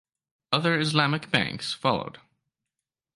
Other Islamic banks followed.